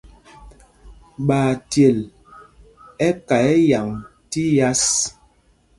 Ɓachyel ɛ́ ka ɛyǎŋ tí yas.